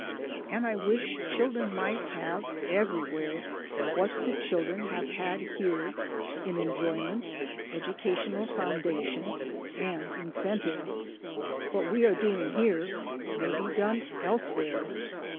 And I wish children might have everywhere what the children have had here in enjoyment, educational foundation, and incentive. What we are doing here may be done elsewhere.